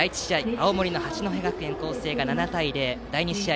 青森の八戸学院光星が７対０第２試合